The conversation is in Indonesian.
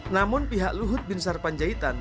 namun pihak luhut bin sar panjaitan